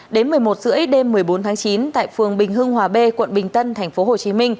đến một mươi một h ba mươi đêm một mươi bốn tháng chín tại phường bình hưng hòa b quận bình tân tp hcm